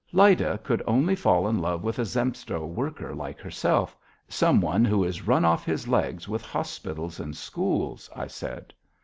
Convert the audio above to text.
"Lyda could only fall in love with a Zemstvo worker like herself, some one who is run off his legs with hospitals and schools," I said.